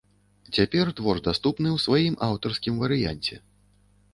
Цяпер твор даступны ў сваім аўтарскім варыянце.